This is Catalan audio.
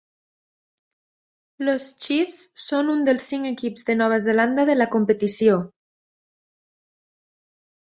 Los Chiefs son un dels cinc equips de Nova Zelanda de la competició.